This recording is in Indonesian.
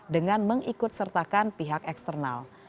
dengan mengikut sertakan pihak eksternal